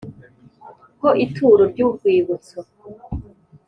Ho ituro ry urwibutso